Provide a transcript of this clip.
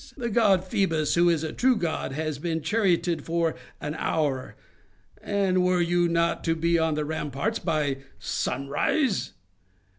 The god Phœbus, who is a true god, has been charioted for an hour—and were you not to be on the ramparts by sunrise?